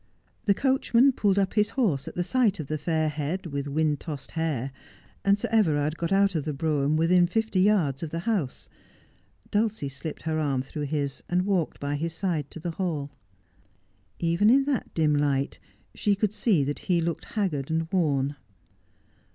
The coachman pulled up his horse at sight of the fair head, with wind tossed hair, and Sir Everard got out of the brougham within fifty yards of the house. Dulcie slipped her arm through his, and walked by his side to the hall. Even in that dim light she could see that he looked haggard and worn.